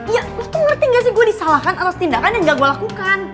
ya lo tuh ngerti gak sih gue disalahkan atas tindakan yang gak gue lakukan